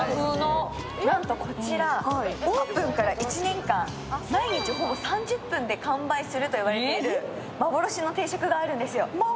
なんとこちら、オープンから１年間毎日ほぼ３０分で完売すると言われている幻の定食があるんですよ。